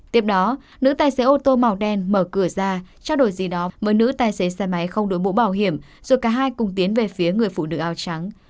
tiếp đó nữ tài xế ô tô màu đen mở cửa ra trao đổi gì đó với nữ tài xế xe máy không đội mũ bảo hiểm rồi cả hai cùng tiến về phía người phụ nữ áo trắng